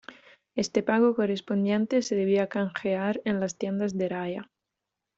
Este pago correspondiente se debía canjear en las tiendas de raya.